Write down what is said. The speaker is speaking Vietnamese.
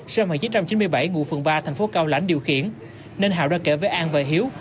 xe mạng chín trăm chín mươi bảy ngụ phường ba thành phố cao lãnh điều khiển nên hào đã kể với an và hiếu